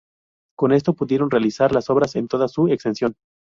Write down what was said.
Con esto pudieron realizar las obras en toda su extensión.